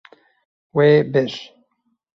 Wê bir.